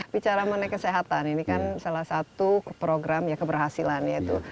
bicara mengenai kesehatan ini kan salah satu program keberhasilan